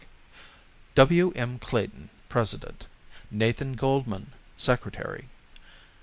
W. M. Clayton, President; Nathan Goldmann, Secretary.